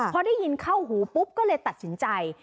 พอได้ยินเข้าหูปุ๊บก็เลยตัดสินใจ